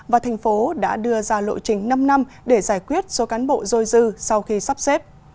và thành phố đã đưa ra lộ trình năm năm để giải quyết số cán bộ dôi dư sau khi sắp xếp